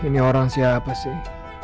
ini orang siapa sih